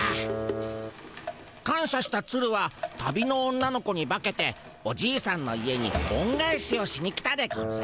感謝したツルは旅の女の子に化けておじいさんの家におんがえしをしに来たでゴンス。